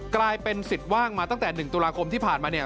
กลายเป็นสิทธิ์ว่างมาตั้งแต่๑ตุลาคมที่ผ่านมาเนี่ย